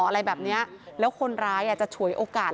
อะไรแบบนี้แล้วคนร้ายอาจจะฉวยโอกาส